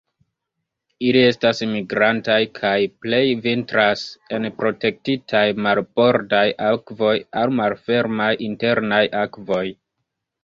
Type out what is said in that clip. Ili estas migrantaj kaj plej vintras en protektitaj marbordaj akvoj aŭ malfermaj internaj akvoj.